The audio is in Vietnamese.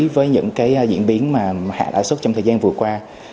với những diễn biến hạ lãi xuất trong thời gian vừa qua